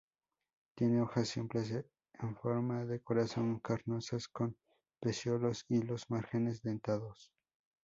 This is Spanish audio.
Tiene hojas simples, en forma de corazón, carnosas, con pecíolos y los márgenes dentados.